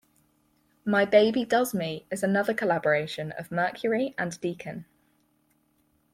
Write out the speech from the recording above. "My Baby Does Me" is another collaboration of Mercury and Deacon.